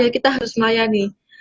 kita harus melayani